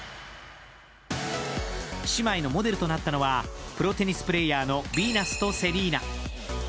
姉妹のモデルとなったのはプロテニスプレーヤーのビーナスとセリーナ。